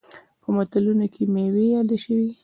په متلونو کې میوې یادې شوي.